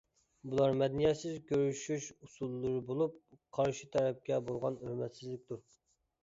بۇلار مەدەنىيەتسىز كۆرۈشۈش ئۇسۇللىرى بولۇپ، قارشى تەرەپكە بولغان ھۆرمەتسىزلىكتۇر.